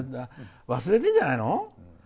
忘れてるんじゃないの？